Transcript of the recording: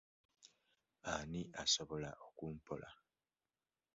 Ani asobola okumpola?